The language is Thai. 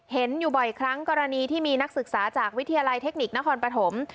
เห็นอยู่บ่อยครั้งกรณีที่มีนักศึกษาจากวิทยาลัยเทคนิคนครปฐม